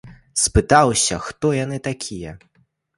Спытаўся, хто яны такія.